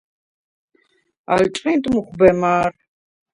ალ ჭყინტ მუხვბე მა̄რ.